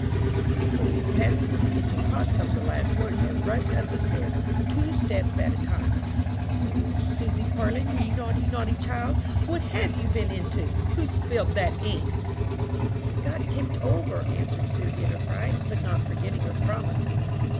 Aunt Louise, passing through the kitchen, caught some of the last words, and rushed up stairs, two steps at a time. "O, Susy Parlin, you naughty, naughty child, what have you been into? Who spilled that ink?" "It got tipped over," answered Susy, in a fright, but not forgetting her promise.